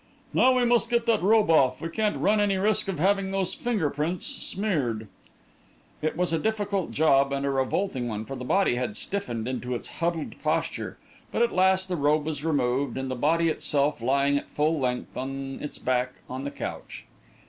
"Now we must get that robe off. We can't run any risk of having those finger prints smeared." It was a difficult job and a revolting one, for the body had stiffened into its huddled posture, but at last the robe was removed and the body itself lying at full length on its back on the couch.